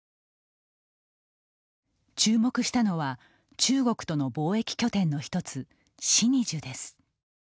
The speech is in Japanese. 注目したのは中国との貿易拠点の一つシニジュです。